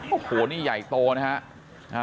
โอ้โฮนี่ใหญ่โตนะครับ